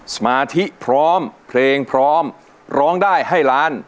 สมาธิพร้อมเพลงพร้อมร้องได้ให้ล้าน